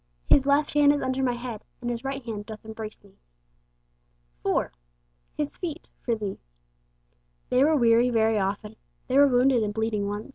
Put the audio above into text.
'His left hand is under my head, and His right hand doth embrace me.' 4. His Feet 'for thee.' They were weary very often, they were wounded and bleeding once.